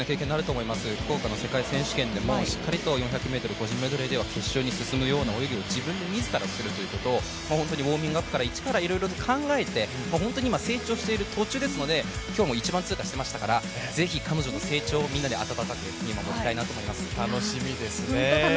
福岡の世界選手権でもしっかりと４００ｍ個人メドレーでは決勝に進むような泳ぎをもみずからするということを、ウォーミングアップから一からいろいろ考えて、本当に今、成長している途中ですので、今日も一番通過してましたからぜひ彼女の成長をみんなで温かく見守りたいと思います。